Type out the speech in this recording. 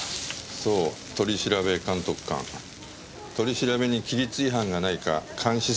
そう取調監督官取り調べに規律違反がないか監視する警察官ね。